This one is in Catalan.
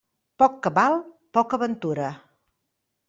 Poc cabal, poca ventura.